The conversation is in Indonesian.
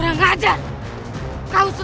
jangan lupa ftw